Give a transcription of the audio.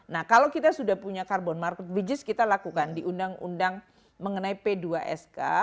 nah kalau kita sudah punya carbon market which is kita lakukan di undang undang mengenai p dua sk